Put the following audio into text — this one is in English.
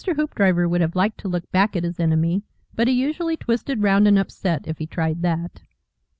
Hoopdriver would have liked to look back at his enemy, but he usually twisted round and upset if he tried that.